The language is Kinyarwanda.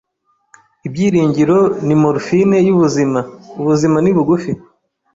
Ibyiringiro ni morphine yubuzima. Ubuzima ni bugufi!